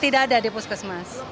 tidak ada di puskesmas